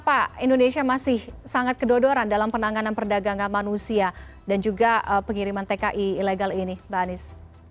apa indonesia masih sangat kedodoran dalam penanganan perdagangan manusia dan juga pengiriman tki ilegal ini mbak anies